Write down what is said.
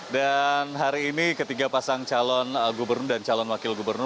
dan hari ini ketiga pasang calon gubernur dan calon wakil gubernur